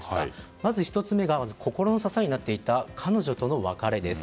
まず１つ目が、心の支えになっていた彼女との別れです。